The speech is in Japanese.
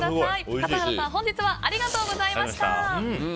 笠原さん、本日はありがとうございました。